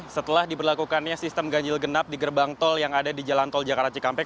setelah diberlakukannya sistem ganjil genap di gerbang tol yang ada di jalan tol jakarta cikampek